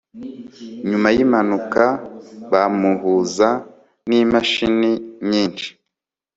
nyuma yimpanuka, bamuhuza nimashini nyinshi